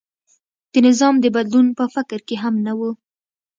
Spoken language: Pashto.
د نظام د بدلون په فکر کې هم نه و.